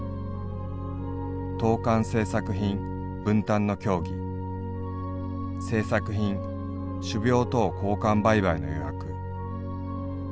冬間製作品分担の協議製作品種苗等交換売買の予約持寄